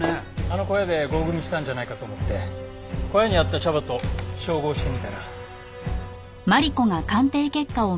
あの小屋で合組したんじゃないかと思って小屋にあった茶葉と照合してみたら。